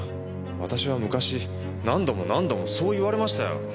私は昔何度も何度もそう言われましたよ。